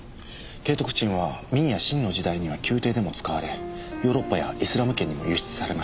景徳鎮は明や清の時代には宮廷でも使われヨーロッパやイスラム圏にも輸出されました。